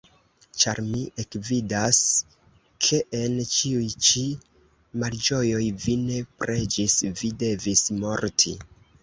Ĉar mi ekvidas, ke en ĉiuj-ĉi malĝojoj vi ne preĝis, vi devis morti.